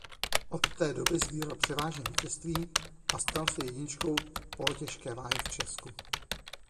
Od té doby sbíral převážně vítězství a stal se jedničkou polotěžké váhy v Česku.